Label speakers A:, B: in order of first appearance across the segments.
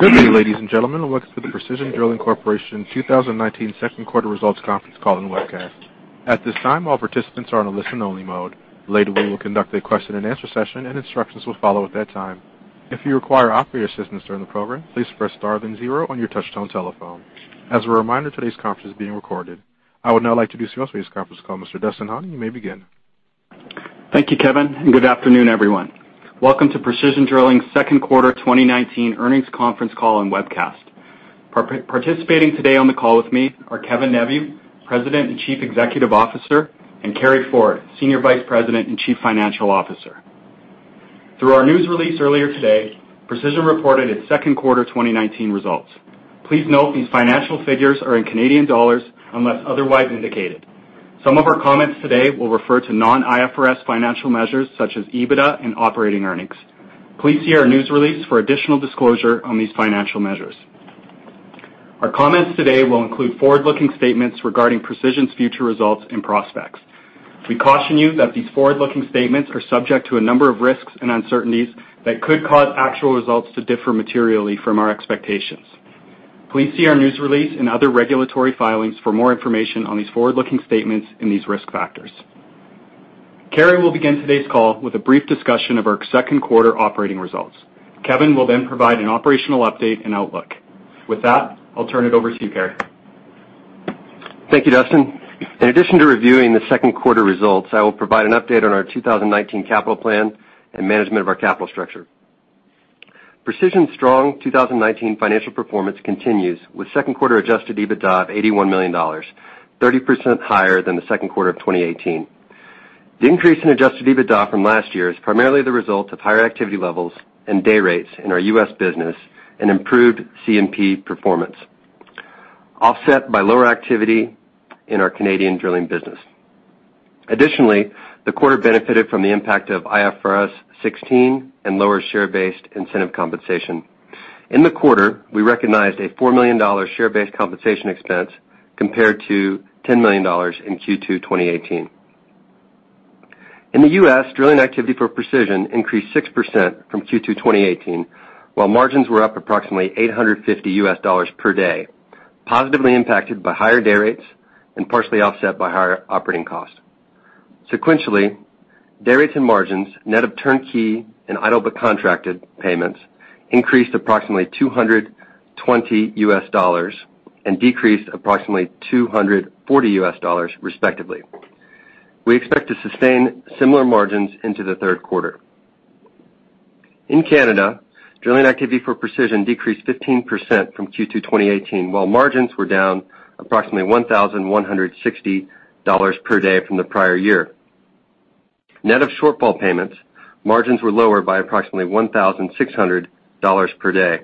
A: Good day, ladies and gentlemen, welcome to the Precision Drilling Corporation 2019 second quarter results conference call and webcast. At this time, all participants are on a listen only mode. Later, we will conduct a question and answer session, and instructions will follow at that time. If you require operator assistance during the program, please press star then zero on your touchtone telephone. As a reminder, today's conference is being recorded. I would now like to introduce this conference call. Mr. Dustin Honing, you may begin.
B: Thank you, Kevin. Good afternoon, everyone. Welcome to Precision Drilling's second quarter 2019 earnings conference call and webcast. Participating today on the call with me are Kevin Neveu, President and Chief Executive Officer, and Carey Ford, Senior Vice President and Chief Financial Officer. Through our news release earlier today, Precision reported its second quarter 2019 results. Please note these financial figures are in Canadian dollars unless otherwise indicated. Some of our comments today will refer to non-IFRS financial measures such as EBITDA and operating earnings. Please see our news release for additional disclosure on these financial measures. Our comments today will include forward-looking statements regarding Precision's future results and prospects. We caution you that these forward-looking statements are subject to a number of risks and uncertainties that could cause actual results to differ materially from our expectations. Please see our news release and other regulatory filings for more information on these forward-looking statements and these risk factors. Carey will begin today's call with a brief discussion of our second quarter operating results. Kevin will provide an operational update and outlook. With that, I'll turn it over to you, Carey.
C: Thank you, Dustin. In addition to reviewing the second quarter results, I will provide an update on our 2019 capital plan and management of our capital structure. Precision's strong 2019 financial performance continues with second quarter adjusted EBITDA of 81 million dollars, 30% higher than the second quarter of 2018. The increase in adjusted EBITDA from last year is primarily the result of higher activity levels and day rates in our U.S. business and improved CMP performance, offset by lower activity in our Canadian drilling business. Additionally, the quarter benefited from the impact of IFRS 16 and lower share-based incentive compensation. In the quarter, we recognized a 4 million dollar share-based compensation expense compared to 10 million dollars in Q2 2018. In the U.S., drilling activity for Precision increased 6% from Q2 2018, while margins were up approximately $850 per day, positively impacted by higher day rates and partially offset by higher operating costs. Sequentially, day rates and margins, net of turnkey and idle but contracted payments, increased approximately $220 and decreased approximately $240 respectively. We expect to sustain similar margins into the third quarter. In Canada, drilling activity for Precision decreased 15% from Q2 2018, while margins were down approximately 1,160 dollars per day from the prior year. Net of shortfall payments, margins were lower by approximately 1,600 dollars per day.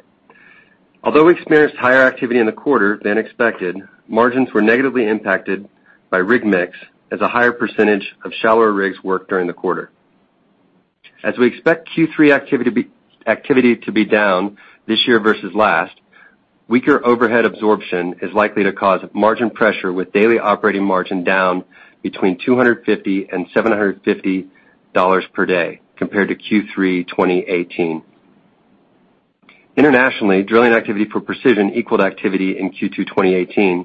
C: Although we experienced higher activity in the quarter than expected, margins were negatively impacted by rig mix as a higher percentage of shallower rigs worked during the quarter. As we expect Q3 activity to be down this year versus last, weaker overhead absorption is likely to cause margin pressure with daily operating margin down between $250-$750 per day compared to Q3 2018. Internationally, drilling activity for Precision equaled activity in Q2 2018,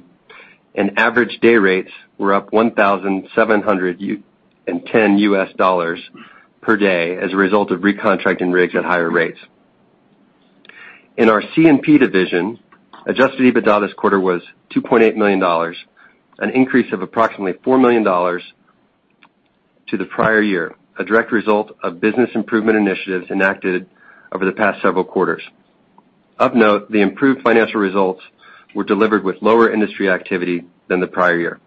C: and average day rates were up $1,710 per day as a result of recontracting rigs at higher rates. In our CMP division, adjusted EBITDA this quarter was $2.8 million, an increase of approximately $4 million to the prior year, a direct result of business improvement initiatives enacted over the past several quarters. Of note, the improved financial results were delivered with lower industry activity than the prior year.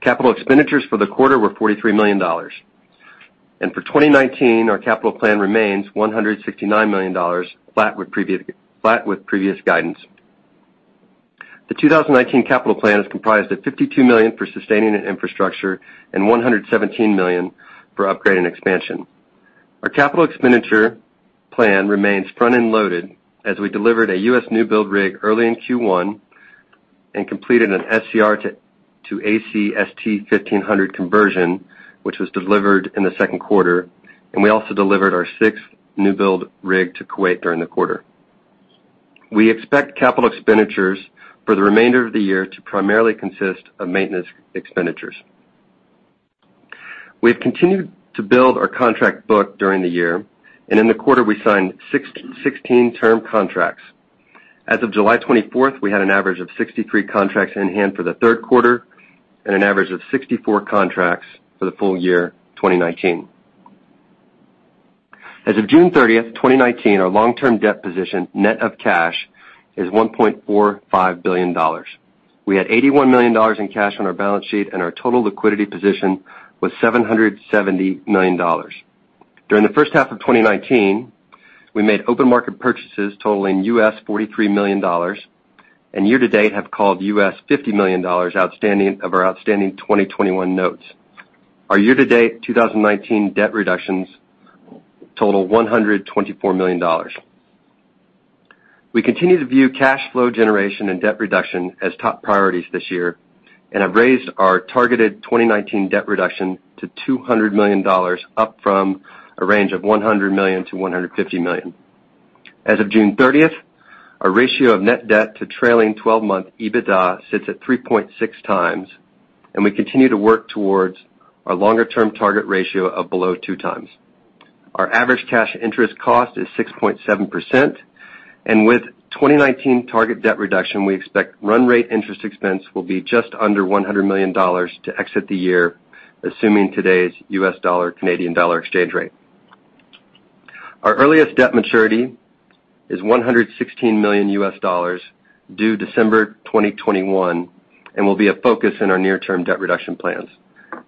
C: Capital expenditures for the quarter were $43 million. For 2019, our capital plan remains $169 million flat with previous guidance. The 2019 capital plan is comprised of 52 million for sustaining and infrastructure and 117 million for upgrade and expansion. Our capital expenditure plan remains front-end loaded as we delivered a U.S. new build rig early in Q1 and completed an SCR to AC ST-1500 conversion, which was delivered in the second quarter. We also delivered our sixth new build rig to Kuwait during the quarter. We expect capital expenditures for the remainder of the year to primarily consist of maintenance expenditures. We have continued to build our contract book during the year. In the quarter, we signed 16 term contracts. As of July 24th, we had an average of 63 contracts in hand for the third quarter and an average of 64 contracts for the full year 2019. As of June 30th, 2019, our long-term debt position net of cash is 1.45 billion dollars. We had 81 million dollars in cash on our balance sheet, and our total liquidity position was 770 million dollars. During the first half of 2019, we made open market purchases totaling 43 million US dollars and year to date have called 50 million US dollars of our outstanding 2021 notes. Our year to date 2019 debt reductions total 124 million dollars. We continue to view cash flow generation and debt reduction as top priorities this year. We have raised our targeted 2019 debt reduction to CAD 200 million, up from a range of CAD 100 million-CAD 150 million. As of June 30th, our ratio of net debt to trailing 12-month EBITDA sits at 3.6 times, and we continue to work towards our longer-term target ratio of below 2 times. Our average cash interest cost is 6.7%. With 2019 target debt reduction, we expect run rate interest expense will be just under 100 million dollars to exit the year, assuming today's U.S. dollar, Canadian dollar exchange rate. Our earliest debt maturity is 116 million US dollars, due December 2021, and will be a focus in our near-term debt reduction plans.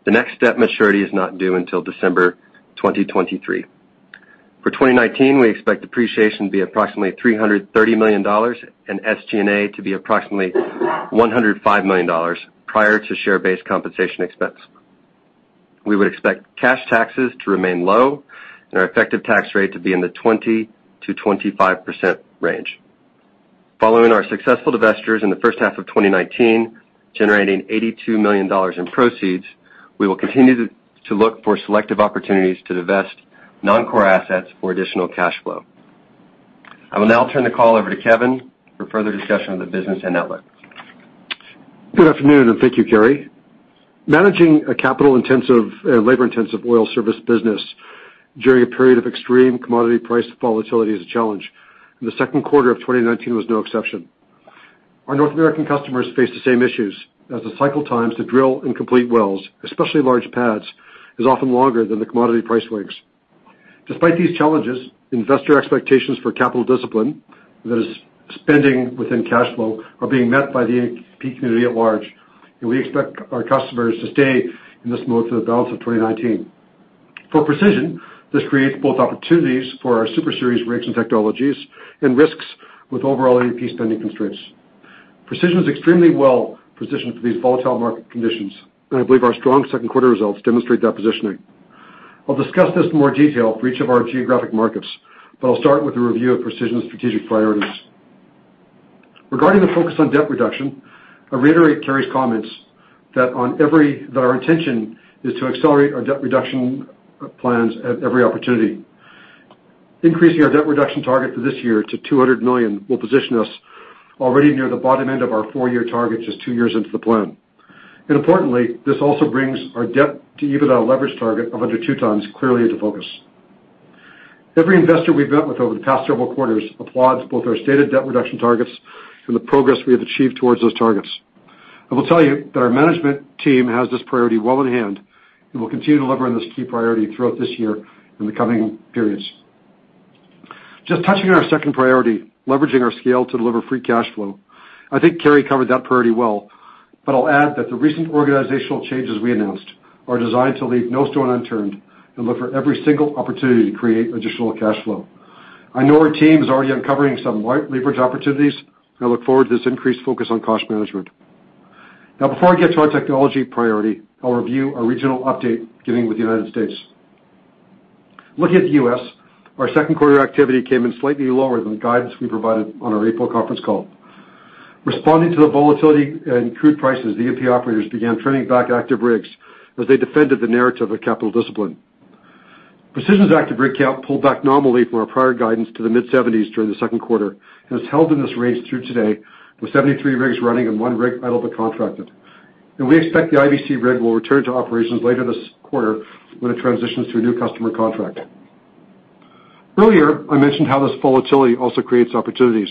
C: The next debt maturity is not due until December 2023. For 2019, we expect depreciation to be approximately 330 million dollars and SGA to be approximately 105 million dollars prior to share-based compensation expense. We would expect cash taxes to remain low and our effective tax rate to be in the 20%-25% range. Following our successful divestitures in the first half of 2019, generating 82 million dollars in proceeds, we will continue to look for selective opportunities to divest non-core assets for additional cash flow. I will now turn the call over to Kevin for further discussion of the business and outlook.
D: Good afternoon, and thank you, Carey. Managing a labor-intensive oil service business during a period of extreme commodity price volatility is a challenge. The second quarter of 2019 was no exception. Our North American customers face the same issues, as the cycle times to drill and complete wells, especially large pads, is often longer than the commodity price links. Despite these challenges, investor expectations for capital discipline, that is spending within cash flow, are being met by the E&P community at large, and we expect our customers to stay in this mode through the balance of 2019. For Precision, this creates both opportunities for our Super Series rigs and technologies and risks with overall E&P spending constraints. Precision is extremely well-positioned for these volatile market conditions, and I believe our strong second quarter results demonstrate that positioning. I'll discuss this in more detail for each of our geographic markets, but I'll start with a review of Precision's strategic priorities. Regarding the focus on debt reduction, I reiterate Carey's comments that our intention is to accelerate our debt reduction plans at every opportunity. Increasing our debt reduction target for this year to 200 million will position us already near the bottom end of our four-year target just two years into the plan. Importantly, this also brings our debt to EBITDA leverage target of 102 times clearly into focus. Every investor we've met with over the past several quarters applauds both our stated debt reduction targets and the progress we have achieved towards those targets. I will tell you that our management team has this priority well in hand and will continue to deliver on this key priority throughout this year and the coming periods. Just touching on our second priority, leveraging our scale to deliver free cash flow. I think Carey covered that priority well, but I'll add that the recent organizational changes we announced are designed to leave no stone unturned and look for every single opportunity to create additional cash flow. I know our team is already uncovering some leverage opportunities, and I look forward to this increased focus on cost management. Before I get to our technology priority, I'll review our regional update, beginning with the U.S. Looking at the U.S., our second quarter activity came in slightly lower than the guidance we provided on our April conference call. Responding to the volatility in crude prices, the E&P operators began turning back active rigs as they defended the narrative of capital discipline. Precision's active rig count pulled back nominally from our prior guidance to the mid-70s during the second quarter and has held in this range through today with 73 rigs running and one rig idle but contracted. We expect the IBC rig will return to operations later this quarter when it transitions to a new customer contract. Earlier, I mentioned how this volatility also creates opportunities.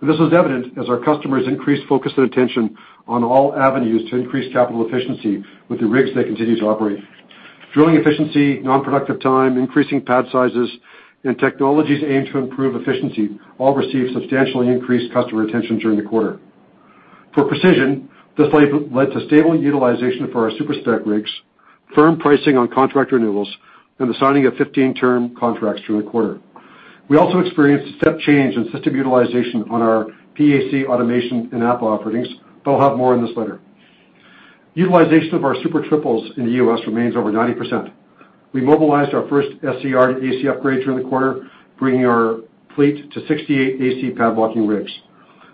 D: This was evident as our customers increased focus and attention on all avenues to increase capital efficiency with the rigs they continue to operate. Drilling efficiency, non-productive time, increasing pad sizes, and technologies aimed to improve efficiency all received substantially increased customer attention during the quarter. For Precision, this led to stable utilization for our super-spec rigs, firm pricing on contract renewals, and the signing of 15 term contracts during the quarter. We also experienced a step change in system utilization on our PAC automation and AlphaApps operations. I'll have more on this later. Utilization of our Super Triple in the U.S. remains over 90%. We mobilized our first SCR to AC upgrade during the quarter, bringing our fleet to 68 AC padwalking rigs.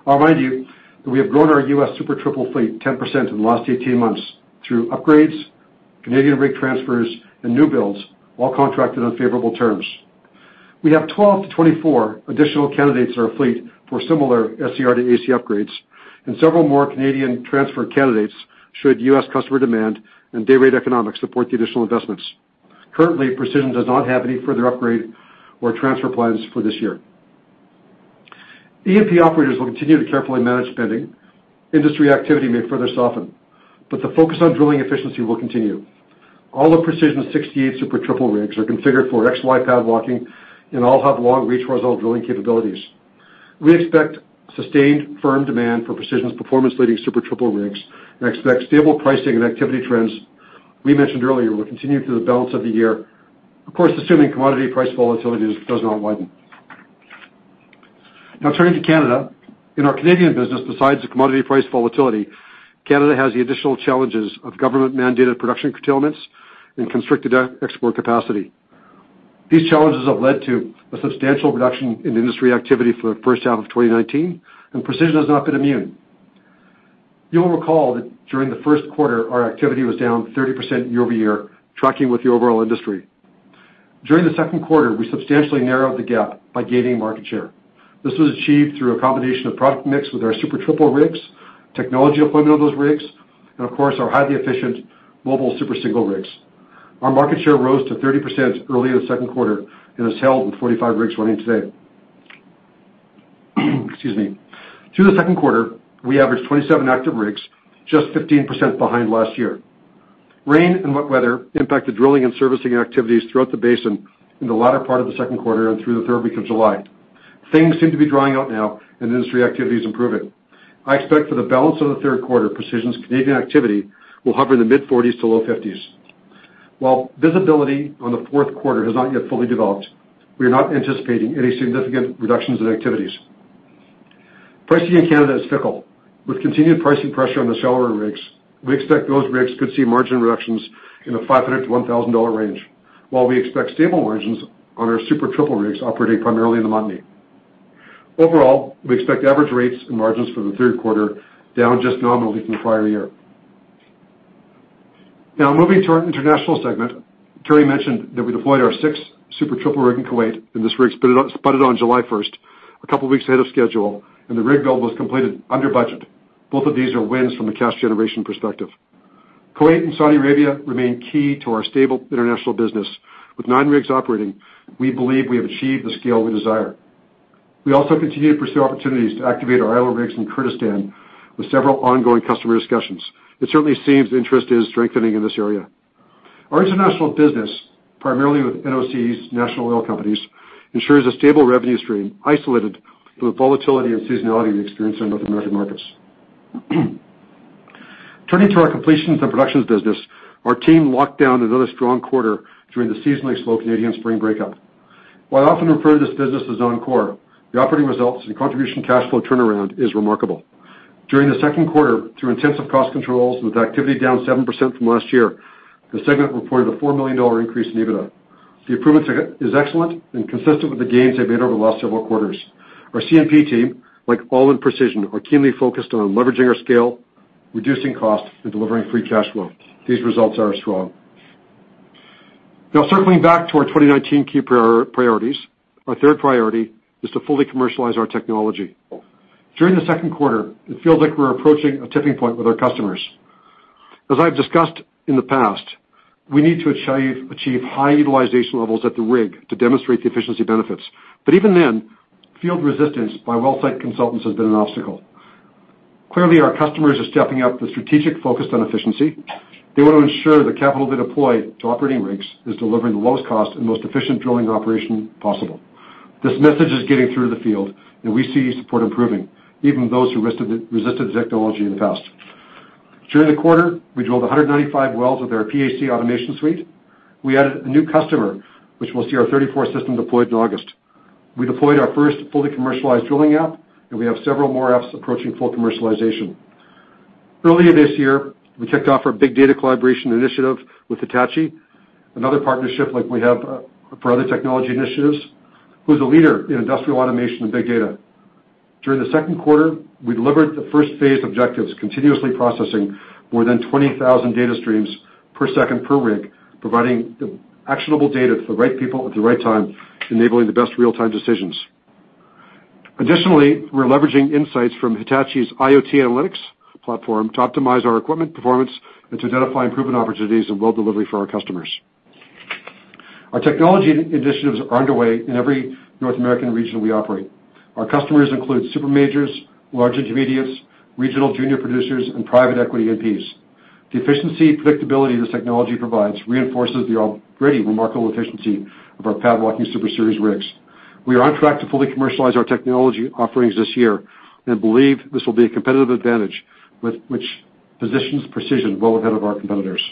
D: I'll remind you that we have grown our U.S. Super Triple fleet 10% in the last 18 months through upgrades, Canadian rig transfers, and new builds, all contracted on favorable terms. We have 12-24 additional candidates in our fleet for similar SCR to AC upgrades and several more Canadian transfer candidates should U.S. customer demand and day rate economics support the additional investments. Currently, Precision does not have any further upgrade or transfer plans for this year. E&P operators will continue to carefully manage spending. Industry activity may further soften, but the focus on drilling efficiency will continue. All of Precision's 68 Super Triple rigs are configured for XY pad walking and all have long reach horizontal drilling capabilities. We expect sustained firm demand for Precision's performance leading Super Triple rigs and expect stable pricing and activity trends we mentioned earlier will continue through the balance of the year, of course, assuming commodity price volatility does not widen. Turning to Canada. In our Canadian business, besides the commodity price volatility, Canada has the additional challenges of government mandated production curtailments and constricted export capacity. These challenges have led to a substantial reduction in industry activity for the first half of 2019, and Precision has not been immune. You'll recall that during the first quarter, our activity was down 30% year-over-year, tracking with the overall industry. During the second quarter, we substantially narrowed the gap by gaining market share. This was achieved through a combination of product mix with our Super Triple rigs, technology deployment on those rigs, and of course, our highly efficient mobile Super Single rigs. Our market share rose to 30% early in the second quarter and has held with 45 rigs running today. Excuse me. Through the second quarter, we averaged 27 active rigs, just 15% behind last year. Rain and wet weather impacted drilling and servicing activities throughout the basin in the latter part of the second quarter and through the third week of July. Things seem to be drying out now, and industry activity is improving. I expect for the balance of the third quarter, Precision's Canadian activity will hover in the mid 40s to low 50s. While visibility on the fourth quarter has not yet fully developed, we are not anticipating any significant reductions in activities. Pricing in Canada is fickle. With continued pricing pressure on the shallower rigs, we expect those rigs could see margin reductions in the 500-1,000 dollar range, while we expect stable margins on our Super Triple rigs operating primarily in the Montney. Overall, we expect average rates and margins for the third quarter down just nominally from the prior year. Moving to our international segment. Carey mentioned that we deployed our sixth Super Triple rig in Kuwait, and this rig spudded on July 1st, a couple of weeks ahead of schedule, and the rig build was completed under budget. Both of these are wins from a cash generation perspective. Kuwait and Saudi Arabia remain key to our stable international business. With nine rigs operating, we believe we have achieved the scale we desire. We also continue to pursue opportunities to activate our idle rigs in Kurdistan with several ongoing customer discussions. It certainly seems interest is strengthening in this area. Our international business, primarily with NOCs, national oil companies, ensures a stable revenue stream isolated through the volatility and seasonality we experience in North American markets. Turning to our completions and productions business, our team locked down another strong quarter during the seasonally slow Canadian spring breakup. While I often refer to this business as non-core, the operating results and contribution cash flow turnaround is remarkable. During the second quarter, through intensive cost controls with activity down 7% from last year, the segment reported a 4 million dollar increase in EBITDA. The improvement is excellent and consistent with the gains they've made over the last several quarters. Our CMP team, like all in Precision, are keenly focused on leveraging our scale, reducing costs, and delivering free cash flow. These results are strong. Circling back to our 2019 key priorities, our third priority is to fully commercialize our technology. During the second quarter, it feels like we're approaching a tipping point with our customers. As I've discussed in the past, we need to achieve high utilization levels at the rig to demonstrate the efficiency benefits. Even then, field resistance by well site consultants has been an obstacle. Clearly, our customers are stepping up the strategic focus on efficiency. They want to ensure the capital they deploy to operating rigs is delivering the lowest cost and most efficient drilling operation possible. This message is getting through the field, and we see support improving, even those who resisted this technology in the past. During the quarter, we drilled 195 wells with our PAC automation suite. We added a new customer, which will see our 34 system deployed in August. We deployed our first fully commercialized drilling app. We have several more apps approaching full commercialization. Earlier this year, we kicked off our big data collaboration initiative with Hitachi, another partnership like we have for other technology initiatives, who's a leader in industrial automation and big data. During the second quarter, we delivered the first phase objectives, continuously processing more than 20,000 data streams per second per rig, providing actionable data to the right people at the right time, enabling the best real-time decisions. Additionally, we're leveraging insights from Hitachi's IoT analytics platform to optimize our equipment performance and to identify improvement opportunities and well delivery for our customers. Our technology initiatives are underway in every North American region we operate. Our customers include super majors, large intermediates, regional junior producers, and private equity E&Ps. The efficiency and predictability this technology provides reinforces the already remarkable efficiency of our pad walking Super Series rigs. We are on track to fully commercialize our technology offerings this year and believe this will be a competitive advantage which positions Precision well ahead of our competitors.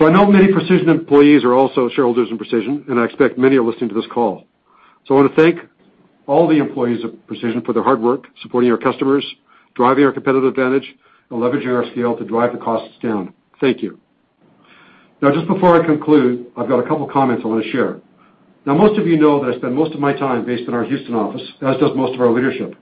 D: I know many Precision employees are also shareholders in Precision, and I expect many are listening to this call. I want to thank all the employees of Precision for their hard work supporting our customers, driving our competitive advantage, and leveraging our scale to drive the costs down. Thank you. Now, just before I conclude, I've got a couple of comments I want to share. Most of you know that I spend most of my time based in our Houston office, as does most of our leadership.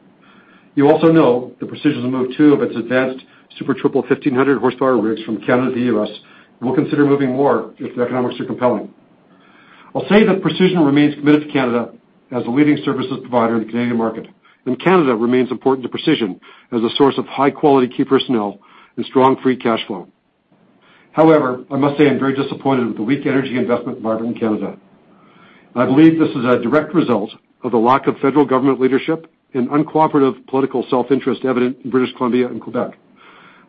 D: You also know that Precision's moved two of its advanced Super Triple 1500 horsepower rigs from Canada to the U.S., and we'll consider moving more if the economics are compelling. I'll say that Precision remains committed to Canada as a leading services provider in the Canadian market, and Canada remains important to Precision as a source of high-quality key personnel and strong free cash flow. I must say I'm very disappointed with the weak energy investment environment in Canada. I believe this is a direct result of the lack of federal government leadership and uncooperative political self-interest evident in British Columbia and Quebec.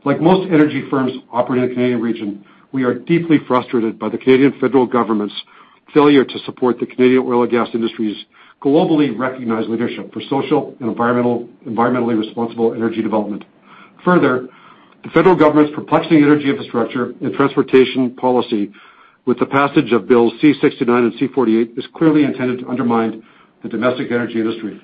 D: Like most energy firms operating in the Canadian region, we are deeply frustrated by the Canadian federal government's failure to support the Canadian oil and gas industry's globally recognized leadership for social and environmentally responsible energy development. The federal government's perplexing energy infrastructure and transportation policy with the passage of bills C-69 and C-48 is clearly intended to undermine the domestic energy industry.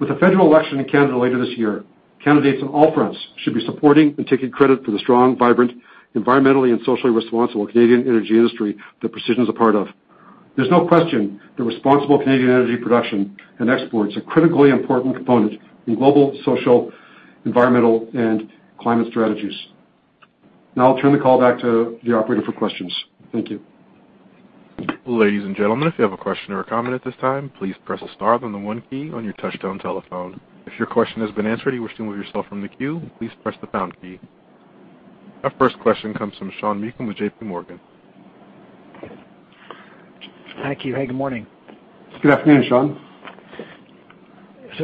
D: With the federal election in Canada later this year, candidates on all fronts should be supporting and taking credit for the strong, vibrant, environmentally and socially responsible Canadian energy industry that Precision's a part of. There's no question that responsible Canadian energy production and exports are a critically important component in global social, environmental, and climate strategies. I'll turn the call back to the operator for questions. Thank you.
A: Ladies and gentlemen, if you have a question or a comment at this time, please press a star, then the one key on your touchtone telephone. If your question has been answered or you wish to remove yourself from the queue, please press the pound key. Our first question comes from Sean Meakim with J.P. Morgan.
E: Thank you. Hey, good morning.
D: Good afternoon, Sean.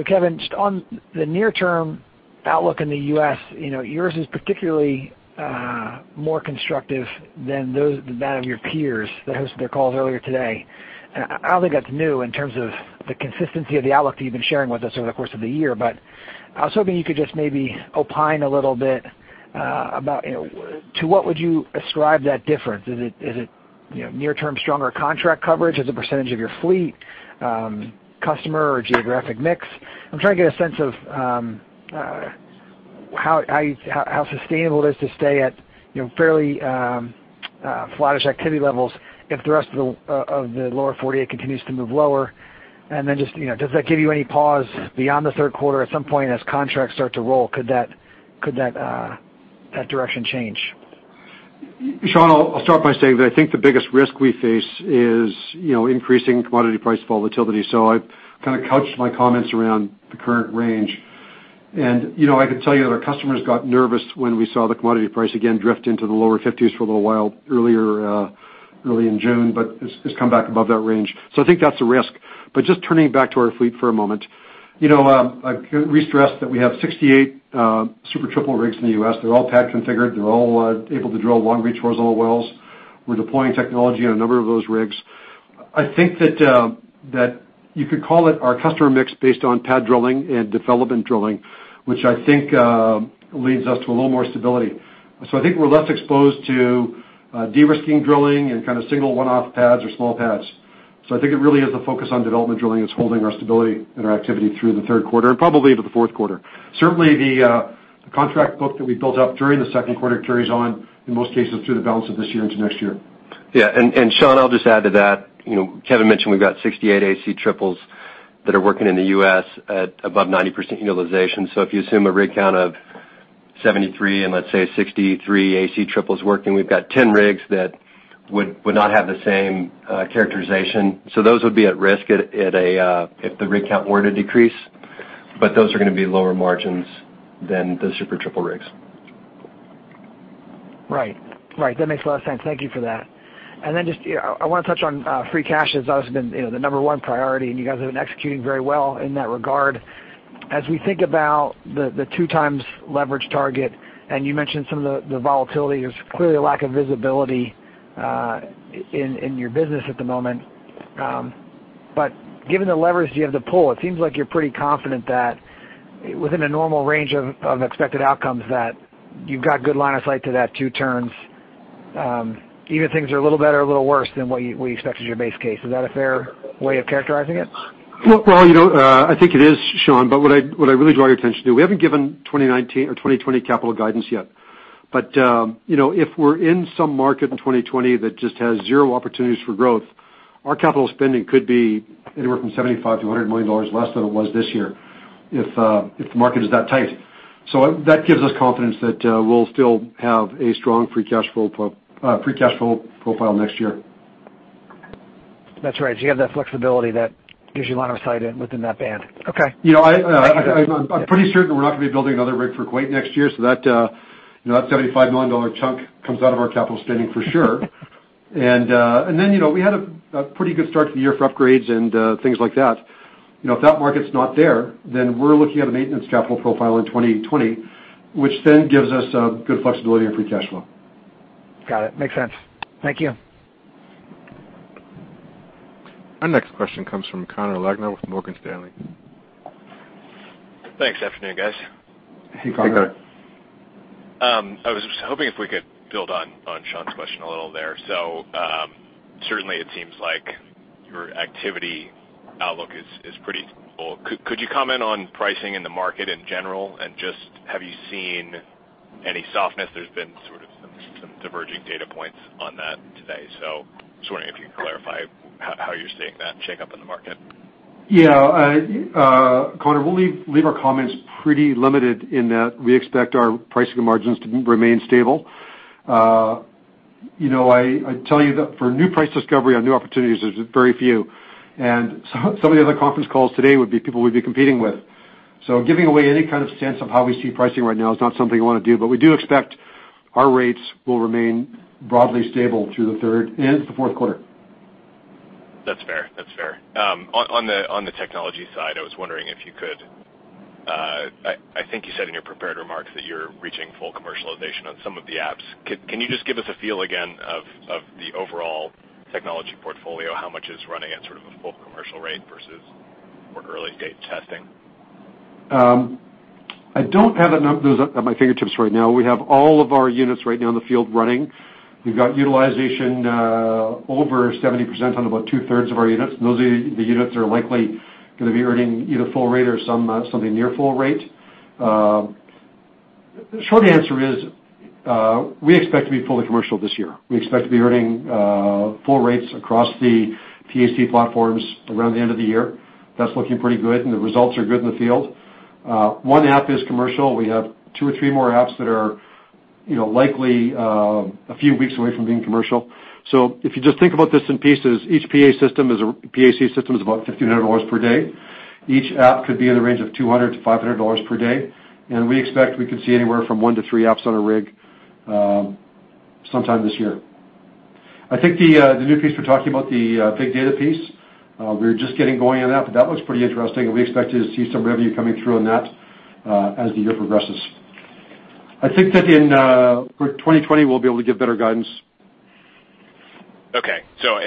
E: Kevin, just on the near-term outlook in the U.S., yours is particularly more constructive than that of your peers that hosted their calls earlier today. I don't think that's new in terms of the consistency of the outlook that you've been sharing with us over the course of the year, but I was hoping you could just maybe opine a little bit about to what would you ascribe that difference? Is it near-term stronger contract coverage as a percentage of your fleet, customer or geographic mix? Does that give you any pause beyond the third quarter at some point as contracts start to roll, could that direction change?
D: Sean, I'll start by saying that I think the biggest risk we face is increasing commodity price volatility. I've kind of couched my comments around the current range. I can tell you that our customers got nervous when we saw the commodity price again drift into the lower 50s for a little while earlier, early in June, but it's come back above that range. I think that's a risk. Just turning back to our fleet for a moment. I re-stress that we have 68 Super Triple rigs in the U.S. They're all pad configured. They're all able to drill long reach horizontal wells. We're deploying technology on a number of those rigs. I think that you could call it our customer mix based on pad drilling and development drilling, which I think leads us to a little more stability. I think we're less exposed to de-risking drilling and kind of single one-off pads or small pads. I think it really is the focus on development drilling that's holding our stability and our activity through the third quarter and probably into the fourth quarter. Certainly, the contract book that we built up during the second quarter carries on, in most cases, through the balance of this year into next year.
C: Yeah, Sean, I'll just add to that. Kevin mentioned we've got 68 AC triples that are working in the U.S. at above 90% utilization. If you assume a rig count of 73, let's say 63 AC triples working, we've got 10 rigs that would not have the same characterization. Those would be at risk if the rig count were to decrease, those are gonna be lower margins than the Super Triple rigs.
E: Right. That makes a lot of sense. Thank you for that. Just, I want to touch on free cash as that has been the number one priority, and you guys have been executing very well in that regard. As we think about the two times leverage target, and you mentioned some of the volatility, there's clearly a lack of visibility in your business at the moment. Given the leverage you have to pull, it seems like you're pretty confident that within a normal range of expected outcomes, that you've got good line of sight to that two turns, even if things are a little better or a little worse than what you expected your base case. Is that a fair way of characterizing it?
D: Well, I think it is, Sean, but what I'd really draw your attention to, we haven't given 2019 or 2020 capital guidance yet. If we're in some market in 2020 that just has zero opportunities for growth, our capital spending could be anywhere from 75 million-100 million dollars less than it was this year if the market is that tight. That gives us confidence that we'll still have a strong free cash flow profile next year.
E: That's right. You have that flexibility that gives you line of sight within that band. Okay.
D: I'm pretty certain we're not going to be building another rig for Kuwait next year, that 75 million dollar chunk comes out of our capital spending for sure. We had a pretty good start to the year for upgrades and things like that. If that market's not there, then we're looking at a maintenance capital profile in 2020, which then gives us good flexibility on free cash flow.
E: Got it. Makes sense. Thank you.
A: Our next question comes from Connor Lynagh with Morgan Stanley.
F: Thanks. Afternoon, guys.
D: Hey, Connor.
C: Hey, Connor.
F: I was just hoping if we could build on Sean's question a little there. Certainly it seems like your activity outlook is pretty stable. Could you comment on pricing in the market in general, and just have you seen any softness? There's been sort of some diverging data points on that today. Just wondering if you can clarify how you're seeing that shake up in the market.
D: Yeah. Connor, we'll leave our comments pretty limited in that we expect our pricing margins to remain stable. I'd tell you that for new price discovery on new opportunities, there's very few. Some of the other conference calls today would be people we'd be competing with. Giving away any kind of sense of how we see pricing right now is not something I want to do, but we do expect our rates will remain broadly stable through the third and the fourth quarter.
F: That's fair. On the technology side, I was wondering if you could I think you said in your prepared remarks that you're reaching full commercialization on some of the apps. Can you just give us a feel again of the overall technology portfolio, how much is running at sort of a full commercial rate versus more early gate testing?
D: I don't have those at my fingertips right now. We have all of our units right now in the field running. We've got utilization over 70% on about two-thirds of our units. Those are the units that are likely going to be earning either full rate or something near full rate. The short answer is, we expect to be fully commercial this year. We expect to be earning full rates across the PAC platforms around the end of the year. That's looking pretty good, and the results are good in the field. One app is commercial. We have two or three more apps that are likely a few weeks away from being commercial. If you just think about this in pieces, each PAC system is about 1,500 dollars per day. Each app could be in the range of 200-500 dollars per day, and we expect we could see anywhere from one to three apps on a rig sometime this year. I think the new piece we're talking about, the big data piece, we're just getting going on that, but that looks pretty interesting, and we expect to see some revenue coming through on that as the year progresses. I think that in 2020, we'll be able to give better guidance.
F: Okay,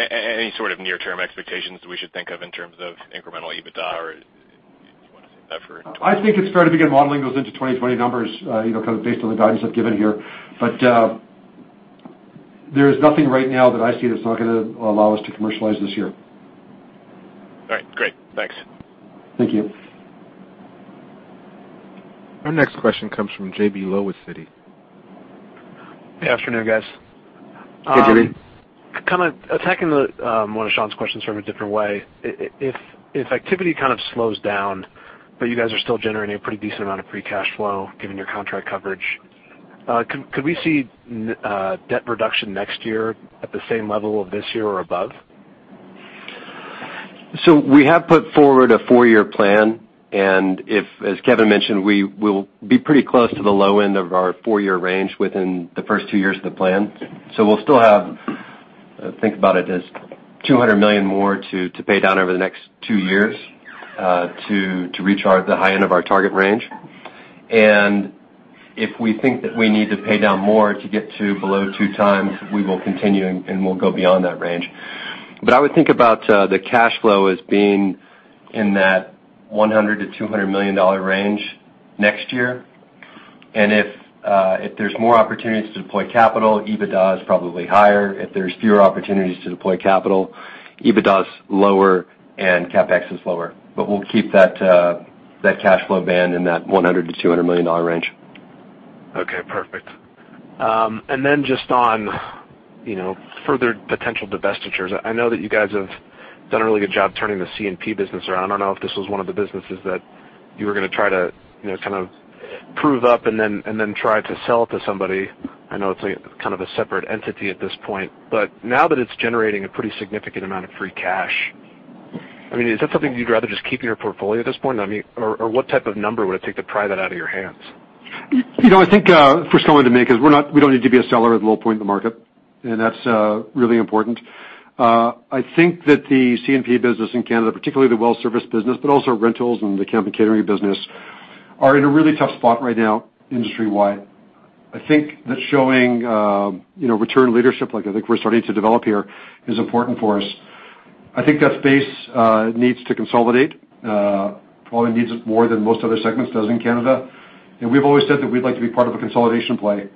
F: any sort of near-term expectations that we should think of in terms of incremental EBITDA, or do you want to save that for 2020?
D: I think it's fair to begin modeling those into 2020 numbers, kind of based on the guidance I've given here. There's nothing right now that I see that's not going to allow us to commercialize this year.
F: All right, great. Thanks.
D: Thank you.
A: Our next question comes from J.B. Lowe with Citi.
G: Good afternoon, guys.
D: Hey, J.B.
G: Kind of attacking one of Sean Meakim's questions from a different way. If activity kind of slows down, but you guys are still generating a pretty decent amount of free cash flow given your contract coverage, could we see debt reduction next year at the same level of this year or above?
C: We have put forward a four-year plan, and if, as Kevin Neveu mentioned, we will be pretty close to the low end of our four-year range within the first two years of the plan. We'll still have, think about it as 200 million more to pay down over the next two years to reach the high end of our target range. If we think that we need to pay down more to get to below two times, we will continue, and we'll go beyond that range. I would think about the cash flow as being in that 100 million-200 million dollar range next year. If there's more opportunities to deploy capital, EBITDA is probably higher. If there's fewer opportunities to deploy capital, EBITDA's lower and CapEx is lower. We'll keep that cash flow band in that 100 million-200 million dollar range.
G: Okay, perfect. Then just on further potential divestitures. I know that you guys have done a really good job turning the CMP business around. I don't know if this was one of the businesses that you were going to try to kind of prove up and then try to sell it to somebody. I know it's kind of a separate entity at this point, now that it's generating a pretty significant amount of free cash, I mean, is that something you'd rather just keep in your portfolio at this point? What type of number would it take to pry that out of your hands?
D: I think first comment I'd make is we don't need to be a seller at the low point in the market, and that's really important. I think that the CMP business in Canada, particularly the well service business, but also rentals and the camp and catering business, are in a really tough spot right now industry-wide. I think that showing return leadership, like I think we're starting to develop here, is important for us. I think that space needs to consolidate. Probably needs it more than most other segments does in Canada. We've always said that we'd like to be part of a consolidation play.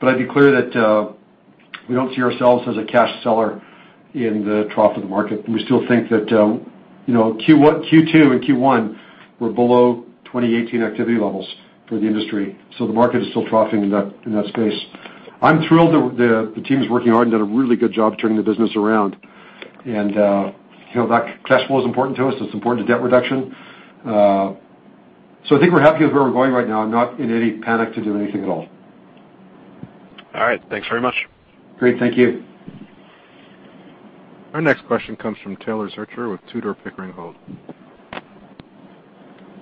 D: I'd be clear that we don't see ourselves as a cash seller in the trough of the market. We still think that Q2 and Q1 were below 2018 activity levels for the industry, so the market is still troughing in that space. I'm thrilled the team's working hard and done a really good job turning the business around. That cash flow is important to us. It's important to debt reduction. I think we're happy with where we're going right now and not in any panic to do anything at all.
G: All right. Thanks very much.
D: Great. Thank you.
A: Our next question comes from Taylor Zurcher with Tudor, Pickering, Holt & Co.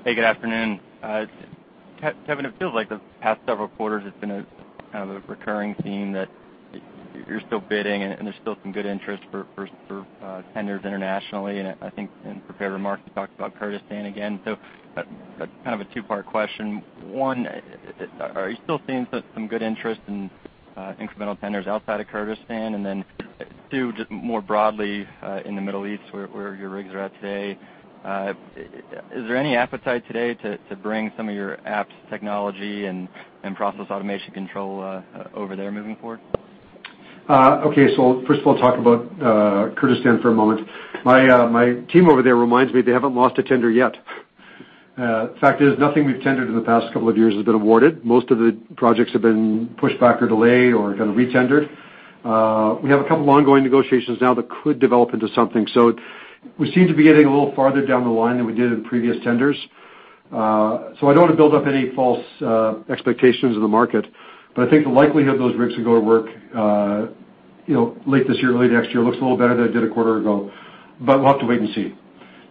H: Hey, good afternoon. Kevin, it feels like the past several quarters it's been kind of a recurring theme that you're still bidding and there's still some good interest for tenders internationally. I think in prepared remarks you talked about Kurdistan again. Kind of a two-part question. One, are you still seeing some good interest in incremental tenders outside of Kurdistan? Two, just more broadly, in the Middle East where your rigs are at today, is there any appetite today to bring some of your AlphaApps technology and Process Automation Control over there moving forward?
D: Okay. First of all, talk about Kurdistan for a moment. My team over there reminds me they haven't lost a tender yet. The fact is, nothing we've tendered in the past couple of years has been awarded. Most of the projects have been pushed back or delayed or kind of re-tendered. We have a couple ongoing negotiations now that could develop into something. We seem to be getting a little farther down the line than we did in previous tenders. I don't want to build up any false expectations of the market, but I think the likelihood of those rigs can go to work late this year, early next year, looks a little better than it did a quarter ago, but we'll have to wait and see.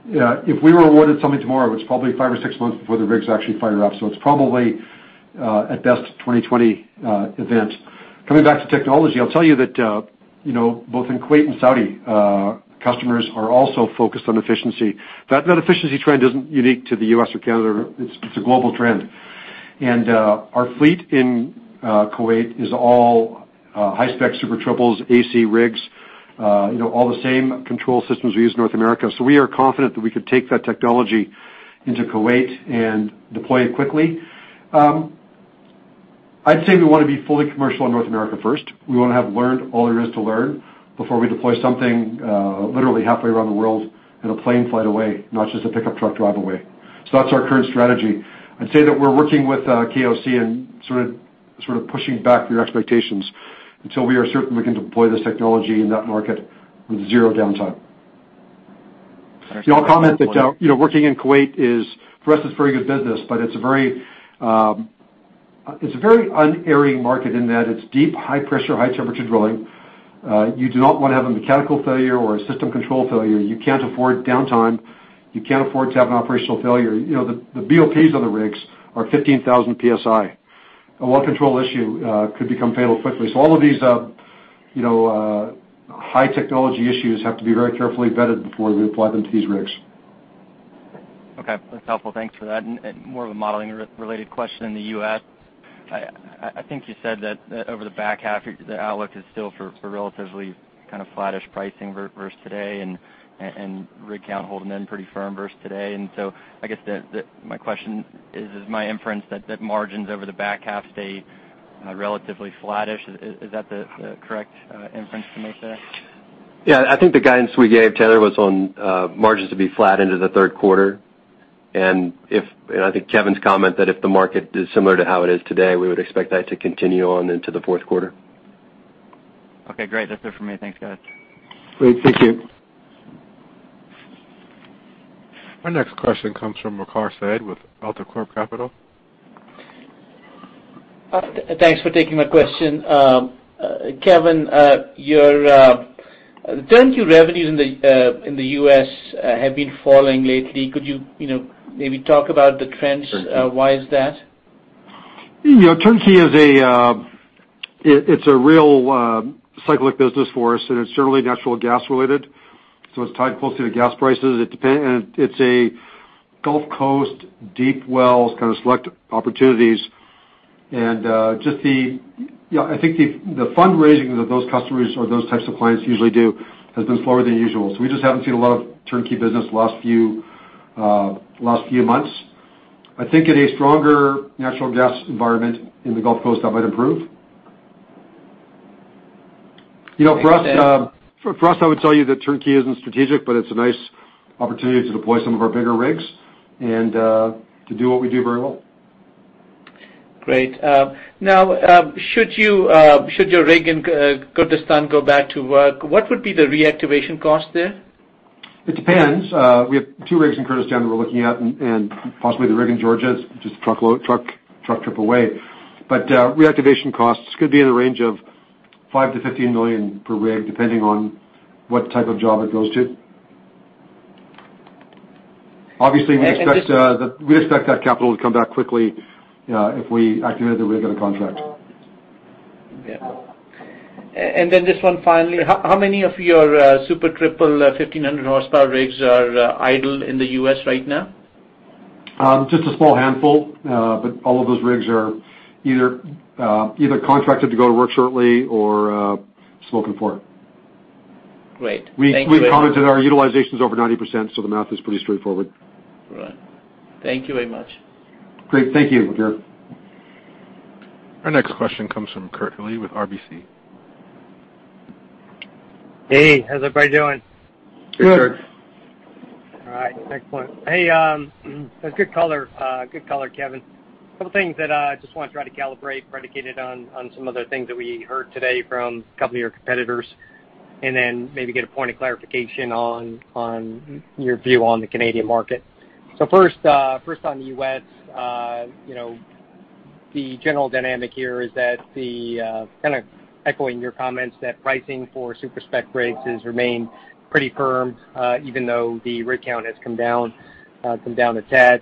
D: If we were awarded something tomorrow, it's probably five or six months before the rigs actually fire up, so it's probably, at best, 2020 event. Coming back to technology, I'll tell you that both in Kuwait and Saudi, customers are also focused on efficiency. That efficiency trend isn't unique to the U.S. or Canada. It's a global trend. Our fleet in Kuwait is all high-spec Super Triple AC rigs, all the same control systems we use in North America. We are confident that we could take that technology into Kuwait and deploy it quickly. I'd say we want to be fully commercial in North America first. We want to have learned all there is to learn before we deploy something literally halfway around the world in a plane flight away, not just a pickup truck drive away. That's our current strategy. I'd say that we're working with KOC and sort of pushing back their expectations until we are certain we can deploy this technology in that market with zero downtime. I'll comment that working in Kuwait for us is very good business, but it's a very unforgiving market in that it's deep, high pressure, high temperature drilling. You do not want to have a mechanical failure or a system control failure. You can't afford downtime. You can't afford to have an operational failure. The BOPs on the rigs are 15,000 PSI. One control issue could become fatal quickly. All of these high technology issues have to be very carefully vetted before we apply them to these rigs.
H: Okay. That's helpful. Thanks for that. More of a modeling related question in the U.S. I think you said that over the back half, the outlook is still for relatively kind of flattish pricing versus today, and rig count holding in pretty firm versus today. I guess that my question is my inference that margins over the back half stay relatively flattish? Is that the correct inference to make there?
C: I think the guidance we gave, Taylor, was on margins to be flat into the third quarter. I think Kevin's comment that if the market is similar to how it is today, we would expect that to continue on into the fourth quarter.
H: Okay, great. That's it for me. Thanks, guys.
D: Great. Thank you.
A: Our next question comes from Waqar Syed with AltaCorp Capital.
I: Thanks for taking my question. Kevin, your turnkey revenues in the U.S. have been falling lately. Could you maybe talk about the trends? Why is that?
D: Turnkey, it's a real cyclic business for us, and it's certainly natural gas related, so it's tied closely to gas prices. It's a Gulf Coast, deep wells, kind of select opportunities, and I think the fundraising that those customers or those types of clients usually do has been slower than usual. We just haven't seen a lot of turnkey business the last few months. I think in a stronger natural gas environment in the Gulf Coast, that might improve. For us, I would tell you that turnkey isn't strategic, but it's a nice opportunity to deploy some of our bigger rigs and to do what we do very well.
I: Great. Should your rig in Kurdistan go back to work, what would be the reactivation cost there?
D: It depends. We have two rigs in Kurdistan that we're looking at, and possibly the rig in Georgia. It's just a truck trip away. Reactivation costs could be in the range of 5 million-15 million per rig, depending on what type of job it goes to. Obviously, we expect that capital to come back quickly if we activated the rig on a contract.
I: Yeah. This one, finally. How many of your Super Triple 1,500 horsepower rigs are idle in the U.S. right now?
D: Just a small handful. All of those rigs are either contracted to go to work shortly or spoken for.
I: Great. Thank you.
D: We've commented our utilization's over 90%. The math is pretty straightforward.
I: Right. Thank you very much.
D: Great. Thank you, Waqar.
A: Our next question comes from Kirk Hilley with RBC.
J: Hey, how's everybody doing?
D: Good.
C: Hey, Kirk.
J: All right. Excellent. Hey, that's good color, Kevin. Couple things that I just want to try to calibrate, predicated on some of the things that we heard today from a couple of your competitors, and then maybe get a point of clarification on your view on the Canadian market. First on the U.S., the general dynamic here is that kind of echoing your comments, that pricing for super-spec rigs has remained pretty firm, even though the rig count has come down a tad.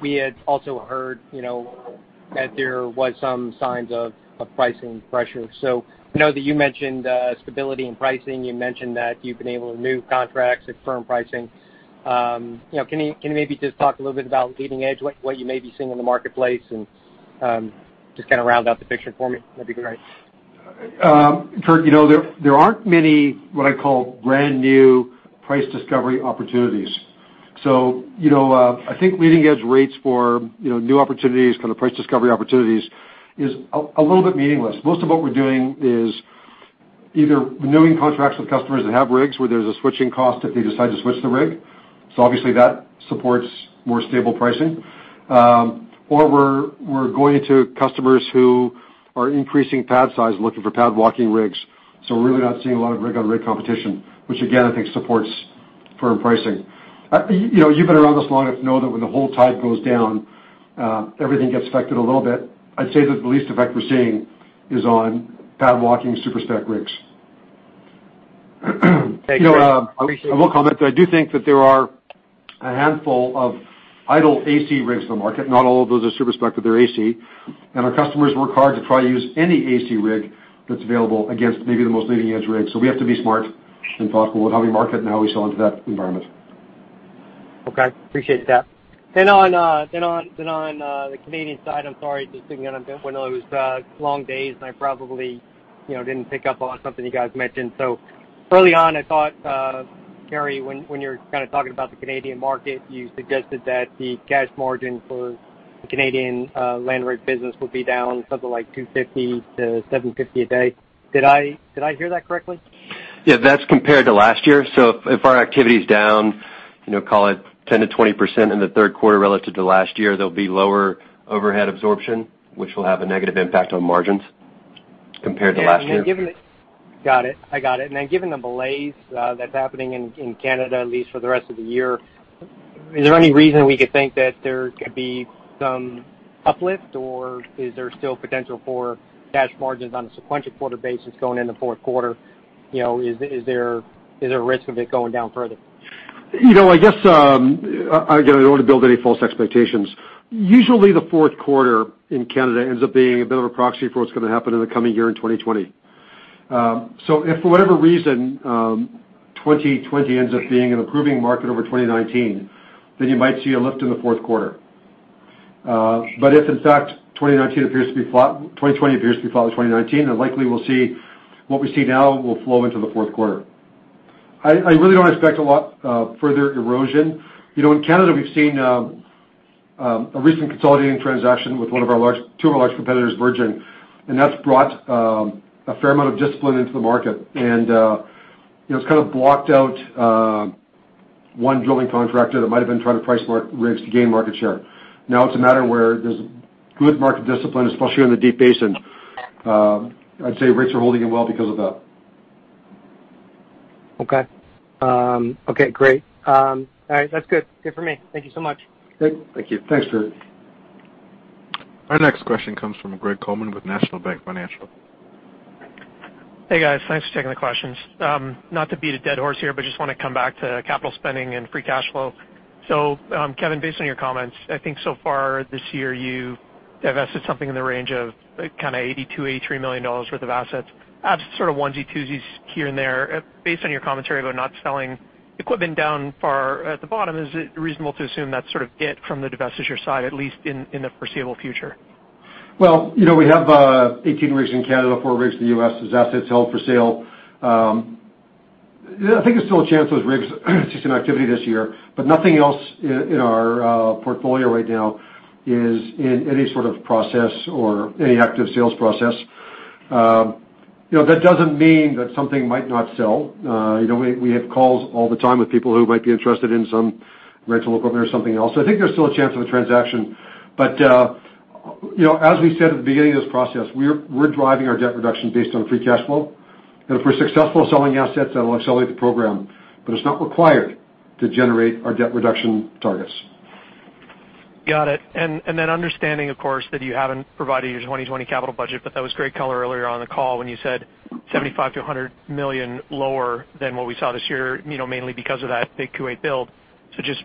J: We had also heard that there was some signs of pricing pressure. I know that you mentioned stability in pricing. You mentioned that you've been able to renew contracts at firm pricing. Can you maybe just talk a little bit about leading edge, what you may be seeing in the marketplace, and just kind of round out the picture for me? That'd be great.
D: Kirk, there aren't many, what I call, brand new price discovery opportunities. I think leading edge rates for new opportunities, kind of price discovery opportunities, is a little bit meaningless. Most of what we're doing is either renewing contracts with customers that have rigs where there's a switching cost if they decide to switch the rig. Obviously that supports more stable pricing. We're going to customers who are increasing pad size, looking for pad walking rigs. We're really not seeing a lot of rig-on-rig competition, which again, I think supports firm pricing. You've been around us long enough to know that when the whole tide goes down everything gets affected a little bit. I'd say that the least effect we're seeing is on pad walking, super-spec rigs.
J: Thank you. Appreciate it.
D: I will comment that I do think that there are a handful of idle AC rigs in the market. Not all of those are super-spec, but they're AC. Our customers work hard to try to use any AC rig that's available against maybe the most leading edge rig. We have to be smart and thoughtful with how we market and how we sell into that environment.
J: Okay. Appreciate that. On the Canadian side, I'm sorry, just thinking I'm one of those long days, and I probably didn't pick up on something you guys mentioned. Early on, I thought, Carey, when you were kind of talking about the Canadian market, you suggested that the cash margin for the Canadian land rig business would be down something like 250-750 a day. Did I hear that correctly?
C: Yeah, that's compared to last year. If our activity's down, call it 10%-20% in the third quarter relative to last year, there'll be lower overhead absorption, which will have a negative impact on margins compared to last year.
J: Got it. I got it. Given the malaise that's happening in Canada, at least for the rest of the year, is there any reason we could think that there could be some uplift, or is there still potential for cash margins on a sequential quarter basis going in the fourth quarter? Is there a risk of it going down further?
D: I guess, again, I don't want to build any false expectations. Usually, the fourth quarter in Canada ends up being a bit of a proxy for what's going to happen in the coming year in 2020. If for whatever reason, 2020 ends up being an improving market over 2019, then you might see a lift in the fourth quarter. If, in fact, 2020 appears to be flat with 2019, then likely what we see now will flow into the fourth quarter. I really don't expect a lot further erosion. In Canada, we've seen a recent consolidating transaction with two of our large competitors, Virgin, and that's brought a fair amount of discipline into the market. It's kind of blocked out one drilling contractor that might have been trying to price rigs to gain market share. Now it's a matter where there's good market discipline, especially in the deep basin. I'd say rates are holding in well because of that.
J: Okay. Great. All right. That's good for me. Thank you so much.
D: Great.
C: Thank you.
D: Thanks, Kirk.
A: Our next question comes from Greg Colman with National Bank Financial.
K: Hey, guys. Thanks for taking the questions. Not to beat a dead horse here, just want to come back to capital spending and free cash flow. Kevin, based on your comments, I think so far this year, you've divested something in the range of 82 million dollars, CAD 83 million worth of assets, sort of onesie, twosies here and there. Based on your commentary about not selling equipment down far at the bottom, is it reasonable to assume that's sort of it from the divestiture side, at least in the foreseeable future?
D: We have 18 rigs in Canada, four rigs in the U.S. as assets held for sale. I think there's still a chance those rigs see some activity this year. Nothing else in our portfolio right now is in any sort of process or any active sales process. That doesn't mean that something might not sell. We have calls all the time with people who might be interested in some rental equipment or something else. I think there's still a chance of a transaction. As we said at the beginning of this process, we're driving our debt reduction based on free cash flow. If we're successful selling assets, that will accelerate the program, but it's not required to generate our debt reduction targets.
K: Got it. Understanding, of course, that you haven't provided your 2020 capital budget, but that was great color earlier on the call when you said 75 million to 100 million lower than what we saw this year, mainly because of that big Kuwait build. Just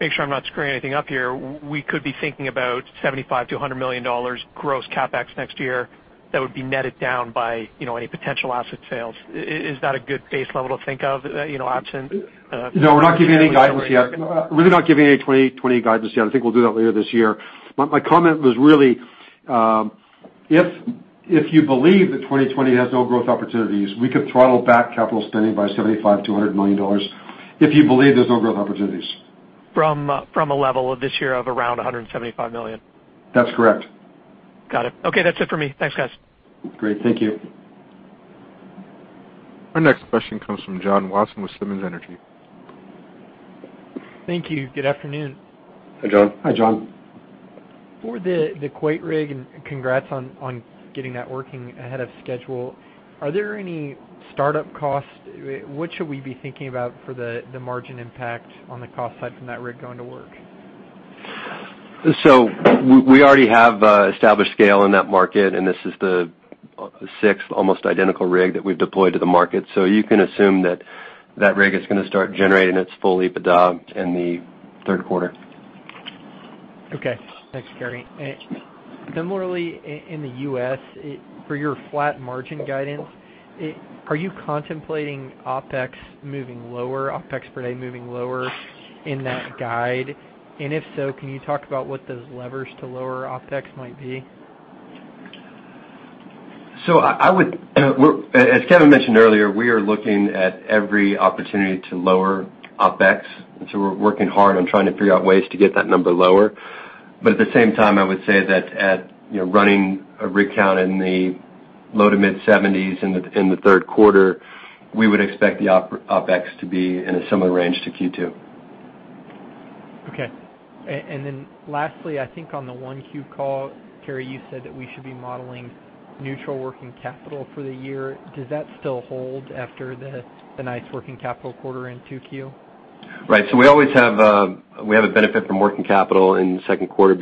K: make sure I'm not screwing anything up here. We could be thinking about 75 million to 100 million dollars gross CapEx next year that would be netted down by any potential asset sales. Is that a good base level to think of?
D: No, we're not giving any guidance yet. Really not giving any 2020 guidance yet. I think we'll do that later this year. My comment was really if you believe that 2020 has no growth opportunities, we could throttle back capital spending by 75 million-100 million dollars if you believe there's no growth opportunities.
K: From a level of this year of around 175 million?
D: That's correct.
K: Got it. Okay. That's it for me. Thanks, guys.
D: Great. Thank you.
A: Our next question comes from John Watson with Simmons Energy.
L: Thank you. Good afternoon.
C: Hi, John.
D: Hi, John.
L: For the Kuwait rig, and congrats on getting that working ahead of schedule. Are there any startup costs? What should we be thinking about for the margin impact on the cost side from that rig going to work?
C: We already have established scale in that market, and this is the sixth almost identical rig that we've deployed to the market. You can assume that that rig is going to start generating its full EBITDA in the third quarter.
L: Okay. Thanks, Carey. Similarly, in the U.S., for your flat margin guidance, are you contemplating OpEx moving lower, OpEx per day moving lower in that guide? If so, can you talk about what those levers to lower OpEx might be?
C: As Kevin mentioned earlier, we are looking at every opportunity to lower OpEx. We're working hard on trying to figure out ways to get that number lower. At the same time, I would say that at running a rig count in the low to mid-70s in the third quarter, we would expect the OpEx to be in a similar range to Q2.
L: Okay. Then lastly, I think on the 1Q call, Carey, you said that we should be modeling neutral working capital for the year. Does that still hold after the nice working capital quarter in 2Q?
C: Right. We have a benefit from working capital in the second quarter.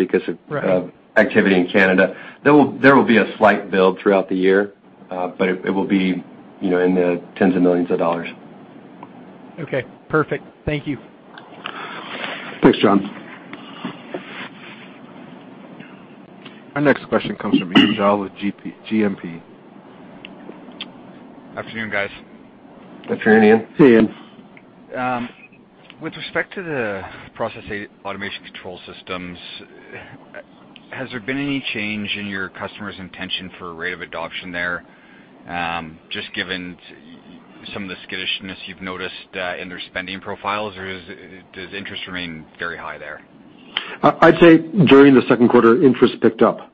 L: Right
C: activity in Canada. There will be a slight build throughout the year. It will be in the tens of millions of CAD.
L: Okay, perfect. Thank you.
D: Thanks, John.
A: Our next question comes from Ian Gillies with GMP.
M: Afternoon, guys.
D: Afternoon, Ian.
C: Hey, Ian.
M: With respect to the process automation control systems, has there been any change in your customers' intention for rate of adoption there, just given some of the skittishness you've noticed in their spending profiles or does interest remain very high there?
D: I'd say during the second quarter, interest picked up.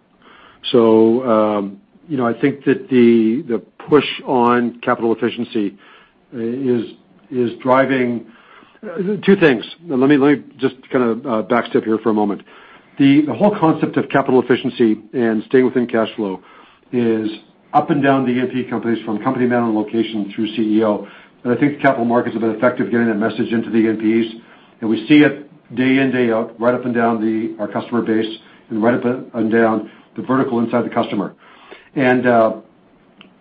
D: I think that the push on capital efficiency is driving two things. Let me just kind of backstep here for a moment. The whole concept of capital efficiency and staying within cash flow is up and down the E&P companies, from company man on location through CEO. I think the capital markets have been effective getting that message into the E&Ps. We see it day in, day out, right up and down our customer base and right up and down the vertical inside the customer.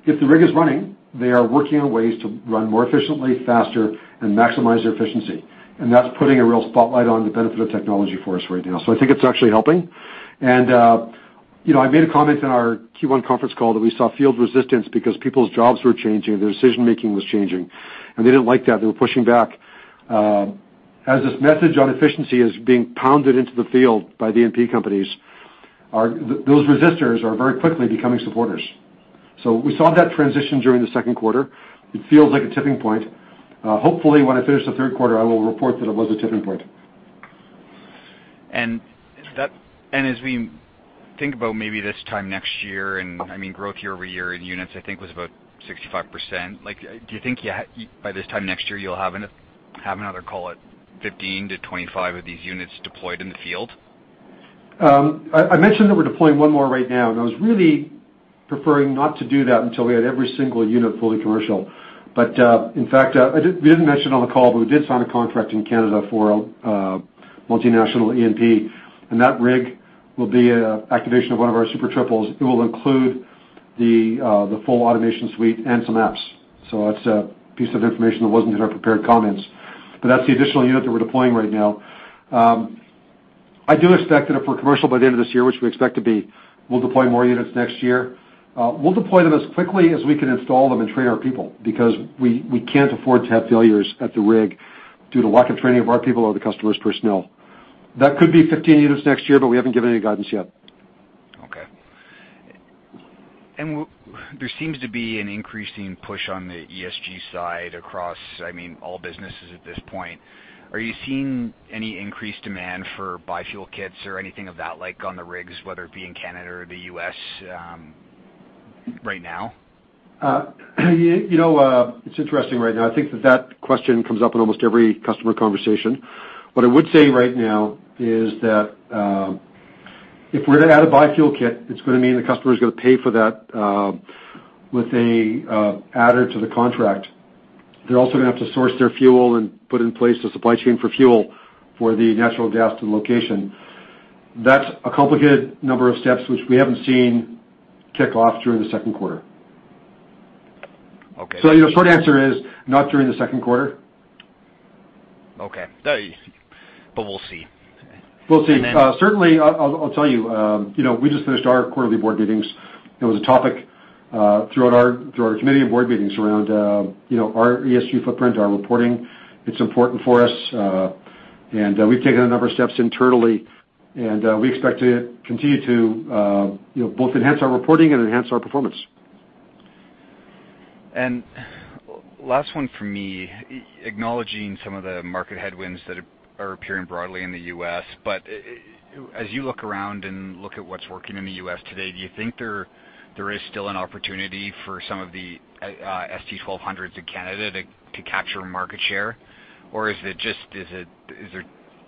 D: If the rig is running, they are working on ways to run more efficiently, faster, and maximize their efficiency. That's putting a real spotlight on the benefit of technology for us right now. I think it's actually helping. I made a comment in our Q1 conference call that we saw field resistance because people's jobs were changing, their decision-making was changing, and they didn't like that. They were pushing back. As this message on efficiency is being pounded into the field by the E&P companies, those resisters are very quickly becoming supporters. We saw that transition during the second quarter. It feels like a tipping point. Hopefully, when I finish the third quarter, I will report that it was a tipping point.
M: As we think about maybe this time next year, and growth year-over-year in units I think was about 65%. Do you think by this time next year you'll have another, call it, 15-25 of these units deployed in the field?
D: I mentioned that we're deploying one more right now, and I was really preferring not to do that until we had every single unit fully commercial. In fact, we didn't mention on the call, but we did sign a contract in Canada for a multinational E&P, and that rig will be an activation of one of our Super Triples. It will include the full automation suite and some apps. That's a piece of information that wasn't in our prepared comments. That's the additional unit that we're deploying right now. I do expect that if we're commercial by the end of this year, which we expect to be, we'll deploy more units next year. We'll deploy them as quickly as we can install them and train our people because we can't afford to have failures at the rig due to lack of training of our people or the customer's personnel. That could be 15 units next year, but we haven't given any guidance yet.
M: Okay. There seems to be an increasing push on the ESG side across all businesses at this point. Are you seeing any increased demand for bi-fuel kits or anything of that like on the rigs, whether it be in Canada or the U.S. right now?
D: It's interesting right now. I think that question comes up in almost every customer conversation. What I would say right now is that if we're going to add a bi-fuel kit, it's going to mean the customer's got to pay for that with an adder to the contract. They're also going to have to source their fuel and put in place the supply chain for fuel for the natural gas to the location. That's a complicated number of steps, which we haven't seen kick off during the second quarter.
M: Okay.
D: The short answer is not during the second quarter.
M: Okay. We'll see.
D: We'll see.
M: And then-
D: Certainly, I'll tell you, we just finished our quarterly board meetings. It was a topic through our committee and board meetings around our ESG footprint, our reporting. It's important for us. We've taken a number of steps internally, and we expect to continue to both enhance our reporting and enhance our performance.
M: Last one from me, acknowledging some of the market headwinds that are appearing broadly in the U.S., but as you look around and look at what's working in the U.S. today, do you think there is still an opportunity for some of the ST-1200s in Canada to capture market share? Or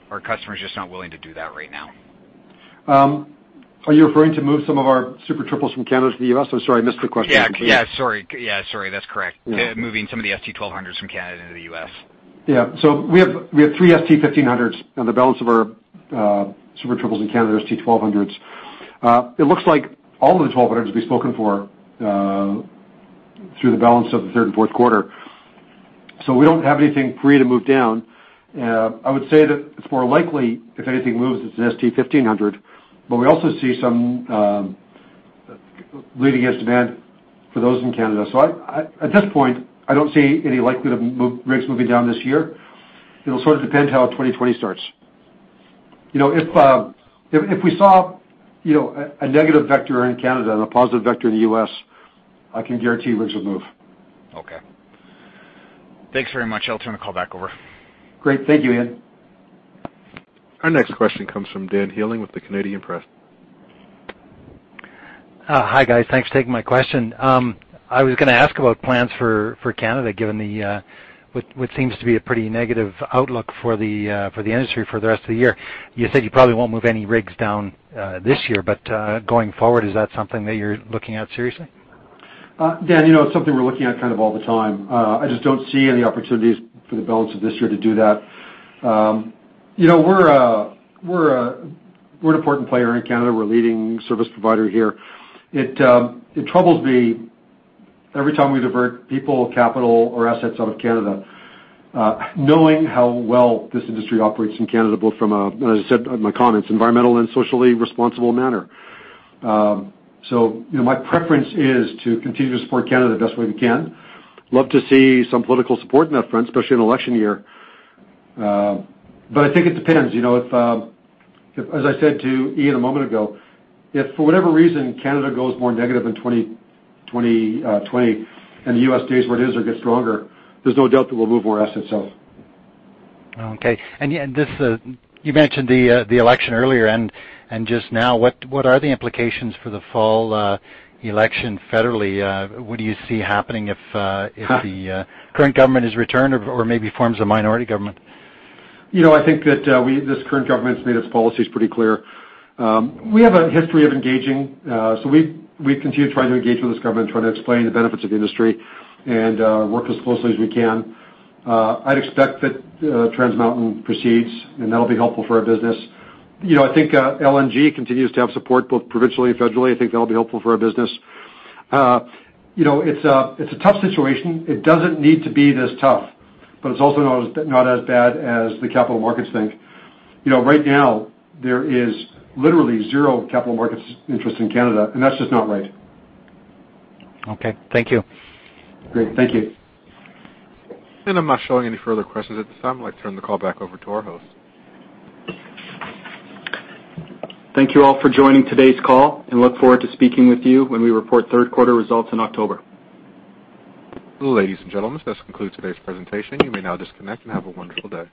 M: are customers just not willing to do that right now?
D: Are you referring to move some of our Super Triples from Canada to the U.S.? I'm sorry, I missed the question.
M: Yeah. Sorry. That's correct.
D: Yeah.
M: Moving some of the ST-1200s from Canada to the U.S.
D: Yeah. We have three ST-1500s, and the balance of our Super Triples in Canada are ST-1200s. It looks like all of the 1200s will be spoken for through the balance of the third and fourth quarter. We don't have anything free to move down. I would say that it's more likely if anything moves, it's an ST-1500, but we also see some leading edge demand for those in Canada. At this point, I don't see any likelihood of rigs moving down this year. It'll sort of depend how 2020 starts. If we saw a negative vector in Canada and a positive vector in the U.S., I can guarantee rigs will move.
M: Okay. Thanks very much. I'll turn the call back over.
D: Great. Thank you, Ian.
A: Our next question comes from Dan Healing with The Canadian Press.
N: Hi, guys. Thanks for taking my question. I was going to ask about plans for Canada, given what seems to be a pretty negative outlook for the industry for the rest of the year. Going forward, is that something that you're looking at seriously?
D: Dan, it's something we're looking at kind of all the time. I just don't see any opportunities for the balance of this year to do that. We're an important player in Canada. We're a leading service provider here. It troubles me every time we divert people, capital, or assets out of Canada knowing how well this industry operates in Canada, both from a, as I said in my comments, environmental and socially responsible manner. My preference is to continue to support Canada the best way we can. Love to see some political support on that front, especially in an election year. I think it depends. As I said to Ian a moment ago, if for whatever reason Canada goes more negative in 2020 and the U.S. stays where it is or gets stronger, there's no doubt that we'll move more assets out.
N: Okay. You mentioned the election earlier and just now. What are the implications for the fall election federally? What do you see happening if the current government is returned or maybe forms a minority government?
D: I think that this current government's made its policies pretty clear. We have a history of engaging so we continue to try to engage with this government and try to explain the benefits of the industry and work as closely as we can. I'd expect that Trans Mountain proceeds, and that'll be helpful for our business. I think LNG continues to have support both provincially and federally. I think that'll be helpful for our business. It's a tough situation. It doesn't need to be this tough, but it's also not as bad as the capital markets think. Right now, there is literally zero capital markets interest in Canada, and that's just not right.
N: Okay. Thank you.
D: Great. Thank you.
A: I'm not showing any further questions at this time. I'd like to turn the call back over to our host. Thank you all for joining today's call, and look forward to speaking with you when we report third quarter results in October. Ladies and gentlemen, this concludes today's presentation. You may now disconnect, and have a wonderful day.